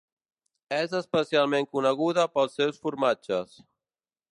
És especialment coneguda pels seus formatges.